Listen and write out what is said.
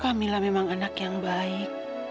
apabila memang anak yang baik